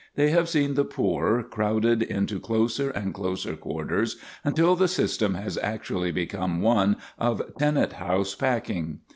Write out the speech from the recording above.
They have seen the poor crowded into closer and closer quarters, until the system has actually become one of tenant house packing.